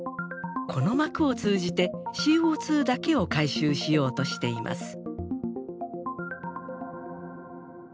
この膜を通じてＣＯだけを回収しようとしています。